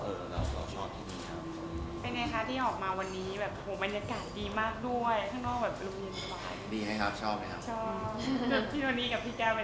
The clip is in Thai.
พี่วันนี้กับพี่แก้วเป็นไงครับสุดใจก็ก็ชอบอยู่แล้วค่ะ